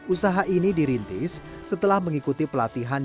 usaha ini dirintis setelah mengikuti pelatihan